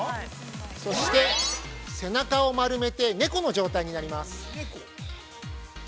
そして、背中を丸めて猫の状態になります。